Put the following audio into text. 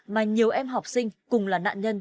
mà nhiều em học sinh cùng là nạn nhân